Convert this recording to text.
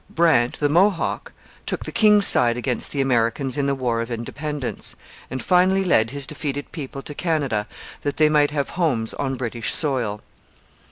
Brant, the Mohawk, took the king's side against the Americans in the War of Independence, and finally led his defeated people to Canada that they might have homes on British soil.